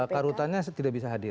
karutannya tidak bisa hadir